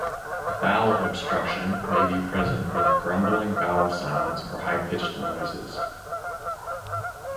Bowel obstruction may present with grumbling bowel sounds or high-pitched noises.